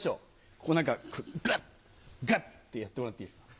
こう何かグッグッてやってもらっていいですか？